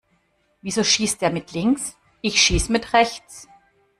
Wieso schießt der mit links? Ich schieß mit rechts.